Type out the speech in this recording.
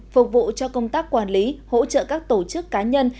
phục vụ cho công tác quản lý hỗ trợ các tổ chức cá nhân